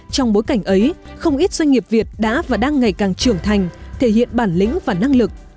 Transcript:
trong bối cảnh ấy không ít doanh nghiệp việt đã và đang ngày càng trưởng thành thể hiện bản lĩnh và năng lực